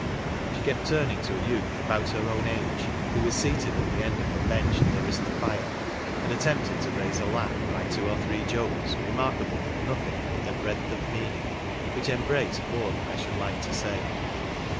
She kept turning to a youth about her own age, who was seated at the end of the bench nearest the fire, and attempted to raise a laugh by two or three jokes remarkable for nothing but their breadth of meaning, which embraced more than I should like to say.